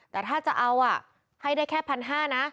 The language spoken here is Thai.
แต่ถ้าจะเอาให้ได้แค่๑๕๐๐นะ